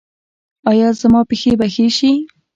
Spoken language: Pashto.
ایا زما پښې به ښې شي؟